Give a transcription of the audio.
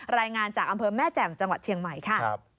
รายงานจากอำเภอแม่แจ่มจังหวัดเชียงใหม่ค่ะ